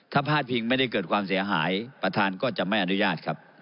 ถ้าพาดพิงไม่ได้เกิดความเสียหายประธานก็จะไม่อนุญาตครับ